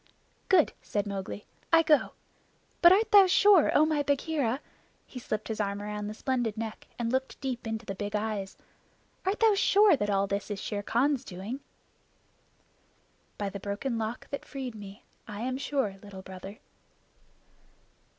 "Good!" said Mowgli. "I go. But art thou sure, O my Bagheera" he slipped his arm around the splendid neck and looked deep into the big eyes "art thou sure that all this is Shere Khan's doing?" "By the Broken Lock that freed me, I am sure, Little Brother."